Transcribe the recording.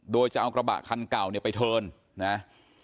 โดยจะเอากระบะคันเก่าเนี่ยไปเทิร์นนะ